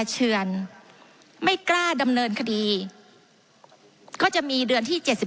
ร์เชือนไม่กล้าดำเนินคดีก็จะมีเดือนที่เจ็ดสิบ